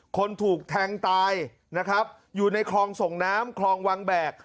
คนถูกแทงตายนะครับอยู่ในคลองส่งน้ำคลองวังแบก